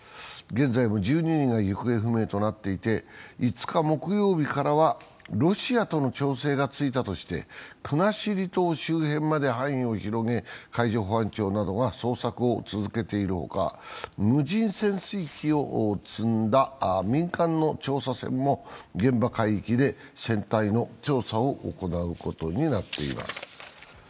現在も１２人が行方不明となっていて、５日、木曜日からはロシアとの調整がついたとして国後島周辺まで範囲を広げ海上保安庁などが捜索を続けているほか、無人潜水機を積んだ民間の調査船も現場海域で船体の調査を行うことになっています。